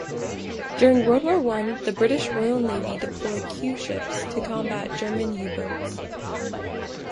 During World War One, the British Royal Navy deployed Q-ships to combat German U-boats.